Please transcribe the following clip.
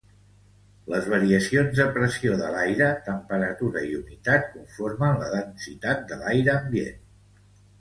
Les variacions de pressió de l'aire, temperatura i humitat conformen la densitat de l'aire ambient.